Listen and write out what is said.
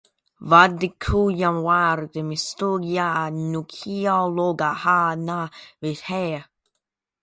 Wadekulwa mtughuta ukilogha na vishere.